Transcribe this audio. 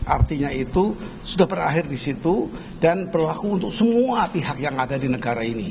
artinya itu sudah berakhir di situ dan berlaku untuk semua pihak yang ada di negara ini